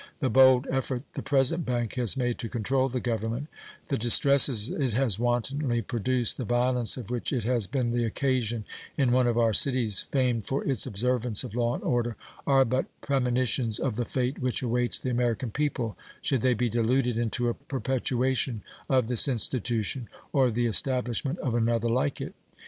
The bold effort the present bank has made to control the Government, the distresses it has wantonly produced, the violence of which it has been the occasion in one of our cities famed for its observance of law and order, are but premonitions of the fate which awaits the American people should they be deluded into a perpetuation of this institution or the establishment of another like it.